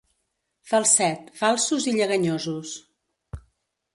Falset, falsos i lleganyosos.